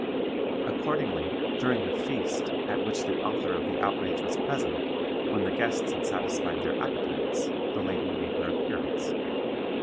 Accordingly, during the feast, at which the author of the outrage was present, when the guests had satisfied their appetites, the lady made her appearance.